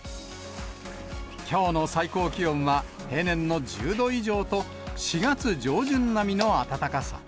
きょうの最高気温は平年の１０度以上と、４月上旬並みの暖かさ。